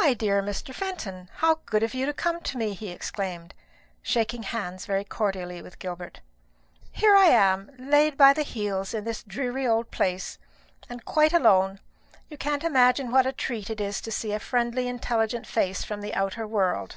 "My dear Mr. Fenton, how good of you to come to me!" he exclaimed, shaking hands very cordially with Gilbert. "Here I am, laid by the heels in this dreary old place, and quite alone. You can't imagine what a treat it is to see a friendly intelligent face from the outer world."